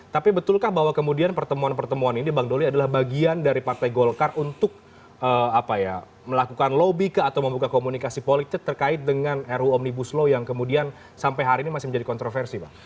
tapi betulkah bahwa kemudian pertemuan pertemuan ini bang doli adalah bagian dari partai golkar untuk melakukan lobby atau membuka komunikasi politik terkait dengan ru omnibus law yang kemudian sampai hari ini masih menjadi kontroversi bang